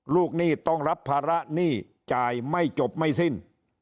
หนี้ต้องรับภาระหนี้จ่ายไม่จบไม่สิ้น